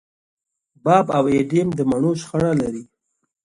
باب او اېډم د مڼو شخړه لري.